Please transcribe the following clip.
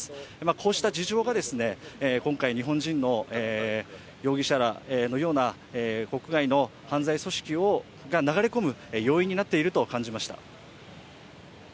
こうした事情が今回日本人の容疑者らのような国外の犯罪組織が流れ込む要因になっていると感じました。